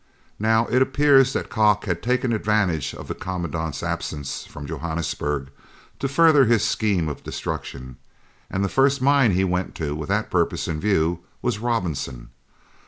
Now, it appears that Kock had taken advantage of the Commandant's absence from Johannesburg to further his scheme of destruction, and the first mine he went to with that purpose in view was the Robinson.